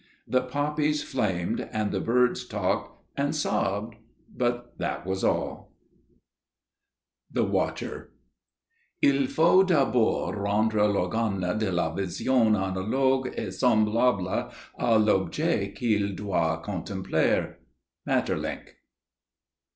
The poppies flamed and the birds talked and sobbed, but that was all. The Watcher "Il faut d'abord rendre l'organe de la vision analogue et semblable à l'objet qu'il doit contempler." _Maeterlinck.